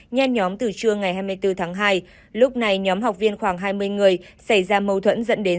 nhen nhóm từ trưa ngày hai mươi bốn tháng hai lúc này nhóm học viên khoảng hai mươi người xảy ra mâu thuẫn dẫn đến